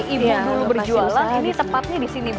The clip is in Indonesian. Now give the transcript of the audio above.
ini tempatnya di sini